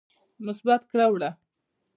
مثبت کړه وړه